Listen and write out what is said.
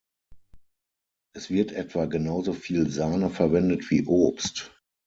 Es wird etwa genauso viel Sahne verwendet wie Obst.